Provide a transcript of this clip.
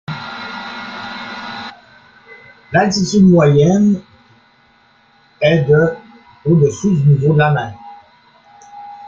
L'altitude moyenne est de au-dessus du niveau de la mer.